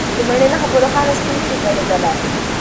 د مڼې نښه په روښانه سکرین کې ځلېدله.